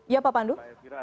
ya pak pandu